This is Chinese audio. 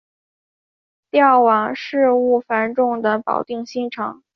调往事务繁重的保定新城。